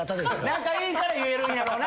仲いいから言えるんやろな。